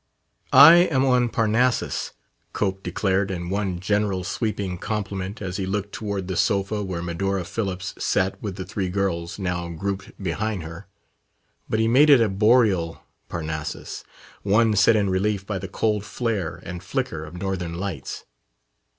"I am on Parnassus!" Cope declared, in one general sweeping compliment, as he looked toward the sofa where Medora Phillips sat with the three girls now grouped behind her. But he made it a boreal Parnassus one set in relief by the cold flare and flicker of northern lights.